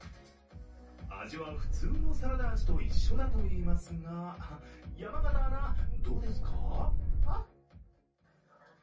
味は普通のサラダ味と一緒だといいますが、山形アナ、どうですか？